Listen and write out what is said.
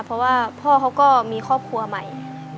เพราะว่าพ่อเขาก็มีครอบครัวใหม่